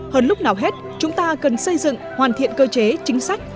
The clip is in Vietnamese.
hơn lúc nào hết chúng ta cần xây dựng hoàn thiện cơ chế chính sách